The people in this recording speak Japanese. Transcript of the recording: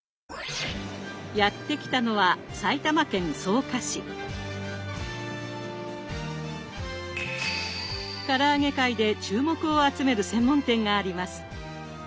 やって来たのはから揚げ界で注目を集める専門店があります。